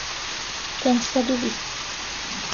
پێنج سەد و بیست